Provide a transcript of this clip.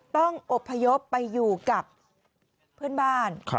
ต้องอบพยพไปอยู่กับเพื่อนบ้าน